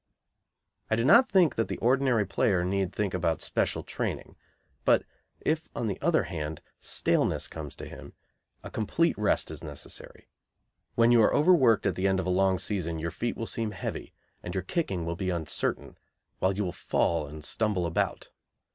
I do not think that the ordinary player need think about special training, but if, on the other hand, staleness comes to him a complete rest is necessary. When you are overworked at the end of a long season your feet will seem heavy and your kicking will be uncertain, while you will fall and stumble about.